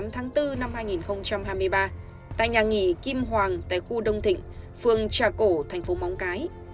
một mươi tháng bốn năm hai nghìn hai mươi ba tại nhà nghỉ kim hoàng tại khu đông thịnh phường trà cổ thành phố móng cái